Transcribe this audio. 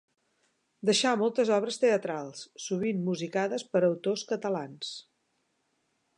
Deixà moltes obres teatrals, sovint musicades per autors catalans.